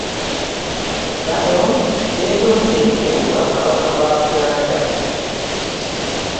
Bano beetondedde Obwakabaka bwa Buganda.